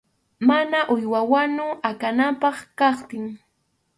Mana uywa wanu akananpaq kaptin.